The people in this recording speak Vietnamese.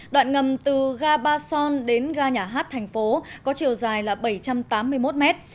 đoạn ngầm từ ga ba son đến ga nhà hát thành phố có chiều dài bảy trăm tám mươi một mét